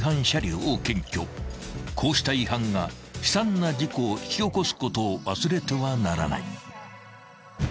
［こうした違反が悲惨な事故を引き起こすことを忘れてはならない］